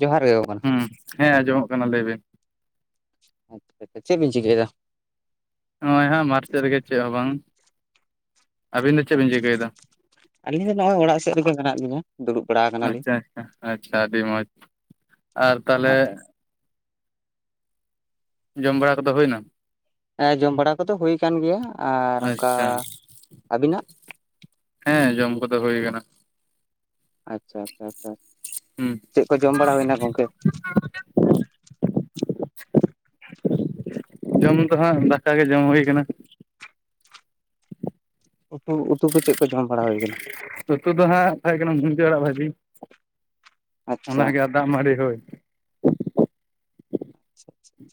ᱡᱚᱦᱟᱨ ᱜᱮ ᱜᱚᱝ ᱦᱩᱸ ᱦᱮᱸ ᱟᱸᱡᱚᱢᱚᱜ ᱠᱟᱱᱟ, ᱞᱮᱭ ᱵᱤᱱ᱾ ᱟᱪᱪᱷᱟ ᱟᱪᱪᱷᱟ ᱪᱮᱫ ᱵᱤᱱ ᱪᱤᱠᱟᱹᱭᱮᱫᱟ? ᱱᱚᱜᱼᱚᱭ ᱦᱟᱸᱜ ᱢᱟᱴ ᱥᱮᱫ ᱨᱮᱜᱮ ᱪᱮᱫ ᱦᱚᱸ ᱵᱟᱝ᱾ ᱟᱵᱤᱱ ᱫᱚ ᱪᱮᱫ ᱵᱤᱱ ᱪᱤᱠᱟᱹᱭᱮᱫᱟ? ᱟᱹᱞᱤᱧ ᱫᱚ ᱱᱚᱜᱼᱚᱭ ᱚᱲᱟᱜ ᱥᱮᱫ ᱨᱮᱜᱮ ᱢᱮᱱᱟᱜ ᱞᱤᱧᱟ ᱫᱩᱲᱩᱵ ᱵᱟᱲᱟ ᱟᱠᱟᱱᱟᱞᱤᱧ ᱟᱪᱪᱷᱟ ᱟᱪᱪᱷᱟ ᱟᱪᱪᱷᱟ ᱟᱹᱰᱤ ᱢᱚᱸᱡᱽ᱾ ᱟᱨ ᱛᱟᱦᱞᱮ ᱡᱚᱢ ᱵᱟᱲᱟ ᱠᱚᱫᱚ ᱦᱳᱭᱱᱟ? ᱦᱮᱸ ᱡᱚᱢ ᱵᱟᱲᱟ ᱠᱚᱫᱚ ᱦᱳᱭ ᱠᱟᱱ ᱜᱮᱭᱟ᱾ ᱟᱨ ᱚᱱᱠᱟ ᱟᱪᱪᱷᱟ ᱟᱹᱵᱤᱱᱟᱜ ᱦᱮᱸ ᱡᱚᱢ ᱠᱚᱫᱚ ᱦᱳᱭ ᱠᱟᱱᱟ᱾ ᱟᱪᱪᱷᱟ ᱟᱪᱪᱷᱟ ᱟᱪᱪᱷᱟ, ᱦᱩᱸ ᱪᱮᱫ ᱠᱚ ᱡᱚᱢ ᱵᱟᱲᱟ ᱦᱩᱭᱱᱟ ᱜᱚᱝᱠᱮ? [unintelligible] ᱡᱚᱢ ᱫᱚ ᱦᱟᱸᱜ ᱫᱟᱠᱟ ᱜᱮ ᱡᱚᱢ ᱦᱳᱭ ᱠᱟᱱᱟ᱾ ᱩᱛᱩ ᱩᱛᱩ ᱠᱚ ᱪᱮᱫ ᱠᱚ ᱡᱚᱢ ᱵᱟᱲᱟ ᱦᱳᱭ ᱠᱟᱱᱟ? ᱩᱛᱩ ᱫᱚ ᱦᱟᱸᱜ ᱛᱟᱦᱮᱸ ᱠᱟᱱᱟ ᱢᱩᱱᱜᱟᱹ ᱟᱲᱟᱜ ᱵᱷᱟᱹᱡᱤ ᱟᱪᱪᱷᱟ ᱚᱱᱟᱜᱮ᱾ ᱫᱟᱜ ᱢᱟᱹᱰᱤ ᱦᱳᱭ,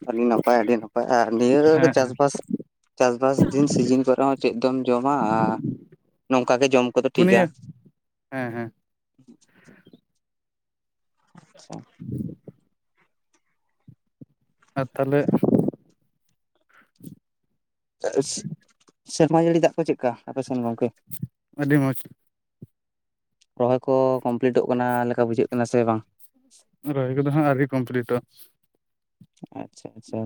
ᱟᱹᱰᱤ ᱱᱟᱯᱟᱭ ᱟᱹᱰᱤ ᱱᱟᱯᱟᱭ ᱟᱨ ᱱᱤᱭᱟᱹ ᱨᱮ ᱦᱮᱸ ᱦᱮᱸ ᱪᱟᱥᱵᱟᱥ ᱪᱟᱥᱵᱟᱥ ᱫᱤᱱ ᱥᱤᱡᱤᱱ ᱠᱚᱨᱮ ᱦᱚᱸ ᱪᱮᱫ ᱫᱚᱢ ᱡᱚᱢᱟ᱾ ᱟ ᱱᱚᱝᱠᱟ ᱜᱮ ᱡᱚᱢ ᱠᱚᱫᱚ ᱯᱩᱱᱭᱟᱹ ᱴᱷᱤᱠᱟ ᱦᱮᱸ ᱦᱮᱸ, [inaudible] [inaudible] ᱟᱨ ᱛᱟᱦᱞᱮᱼᱼ ᱥᱮᱨᱢᱟ ᱡᱟᱹᱲᱤ ᱫᱟᱜ ᱠᱚ ᱪᱮᱠᱠᱟ ᱟᱯᱮ ᱥᱮᱱ ᱜᱚᱝᱠᱮ? ᱟᱹᱰᱤ ᱢᱚᱸᱡᱽ᱾ ᱨᱚᱦᱚᱭ ᱠᱚ ᱠᱚᱢᱯᱞᱤᱴᱚᱜ ᱠᱟᱱᱟ ᱞᱮᱠᱟ ᱵᱩᱡᱷᱟᱹᱜ ᱠᱟᱱᱟ ᱥᱮ ᱵᱟᱝ? ᱨᱚᱦᱚᱭ ᱠᱚᱫᱚ ᱦᱟᱸᱜ ᱟᱹᱣᱨᱤ ᱠᱚᱢᱯᱞᱤᱴᱚᱜᱼᱟ᱾ ᱟᱪᱪᱷᱟ ᱟᱪᱪᱷᱟ